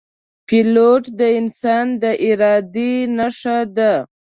پیلوټ د انسان د ارادې نښه ده.